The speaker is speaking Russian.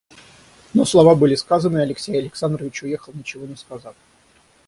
Но слова были сказаны, и Алексей Александрович уехал, ничего не сказав.